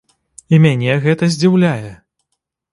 І мяне гэта здзіўляе.